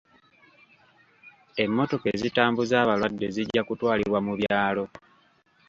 Emmotoka ezitambuza abalwadde zijja kutwalibwa mu byalo.